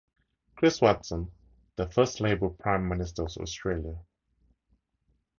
Chris Watson, the first Labor Prime Minister of Australia.